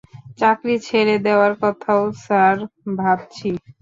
চাকরি ছেড়ে দেওয়ার কথাও স্যার ভাবছি।